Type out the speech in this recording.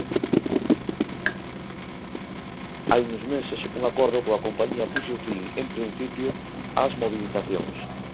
Hai uns meses un acordo coa compañía puxo fin, en principio, ás mobilizacións.